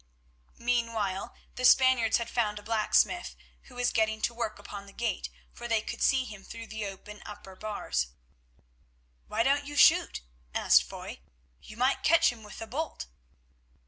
Meanwhile the Spaniards had found a blacksmith, who was getting to work upon the gate, for they could see him through the open upper bars. "Why don't you shoot?" asked Foy. "You might catch him with a bolt."